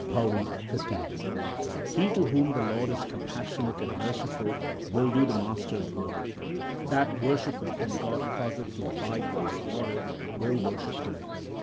PAURI XV He to whom the Lord is compassionate and merciful will do the Master s work. That worshipper whom God causeth to abide by His order, will worship Him.